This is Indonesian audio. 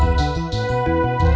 masih di pasar